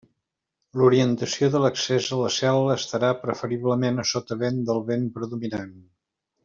L'orientació de l'accés a la cel·la estarà preferiblement a sotavent del vent predominant.